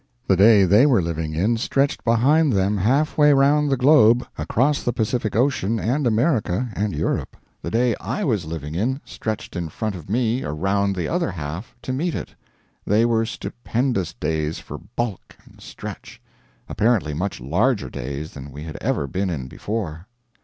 The day they were living in stretched behind them half way round the globe, across the Pacific Ocean and America and Europe; the day I was living in stretched in front of me around the other half to meet it. They were stupendous days for bulk and stretch; apparently much larger days than we had ever been in before.